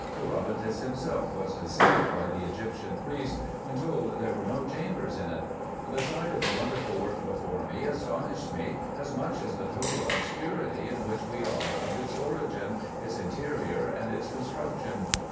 Herodotus himself was deceived by the Egyptian priests, when told there were no chambers in it. The sight of the wonderful work before me astonished me as much, as the total obscurity in which we are of its origin, its in terior, and its construction.